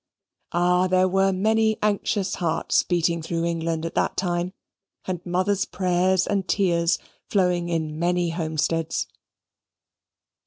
Ah! there were many anxious hearts beating through England at that time; and mothers' prayers and tears flowing in many homesteads.